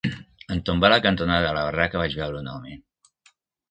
En tombar la cantonada de la barraca vaig veure un home